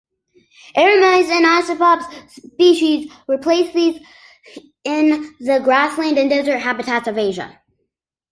"Eremias" and "Ophisops" species replace these in the grassland and desert habitats of Asia.